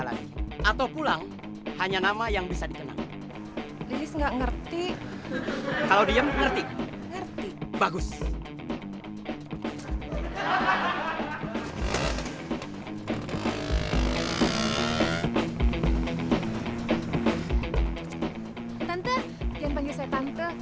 tante jangan panggil saya tante